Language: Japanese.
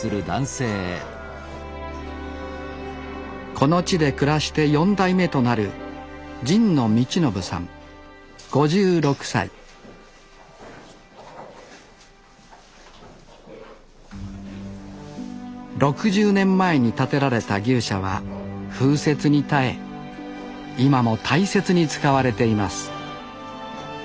この地で暮らして４代目となる６０年前に建てられた牛舎は風雪に耐え今も大切に使われています